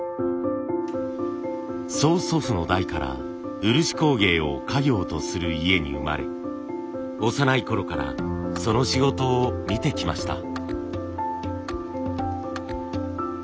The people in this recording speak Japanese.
曽祖父の代から漆工芸を家業とする家に生まれ幼いころからその仕事を見てきました。